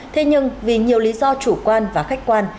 thế nhưng vì nhiều lý do chủ quan và khách quan